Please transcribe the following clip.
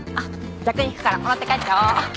逆に引くからもらって帰っちゃおう。